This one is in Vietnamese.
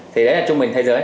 thì đấy là trung bình thế giới